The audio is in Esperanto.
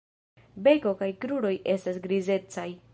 Beko kaj kruroj estas grizecaj.